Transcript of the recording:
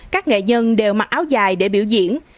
các nghệ nhân đều mặc áo dài để biểu diễn